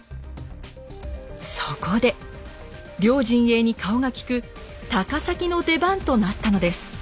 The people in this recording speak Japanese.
そこで両陣営に顔が利く高碕の出番となったのです。